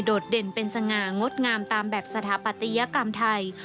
ดเด่นเป็นสง่างดงามตามแบบสถาปัตยกรรมไทย